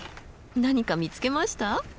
何か見つけました？